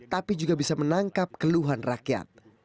tapi juga bisa menangkap keluhan rakyat